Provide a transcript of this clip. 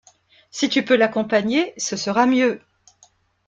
Si tu peux l'accompagner, ce sera mieux.